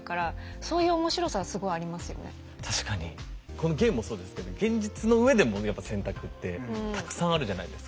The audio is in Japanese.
このゲームもそうですけど現実のうえでもやっぱ選択ってたくさんあるじゃないですか。